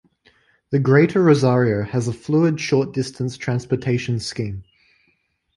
The Greater Rosario has a fluid short-distance transportation scheme.